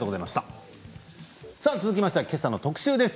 続きましては、けさの特集です。